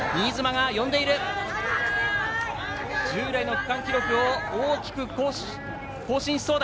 従来の区間記録を大きく更新しそうだ。